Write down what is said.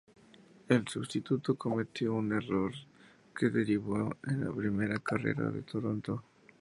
El sustituto cometió un error que derivó en la primera carrera de Toronto.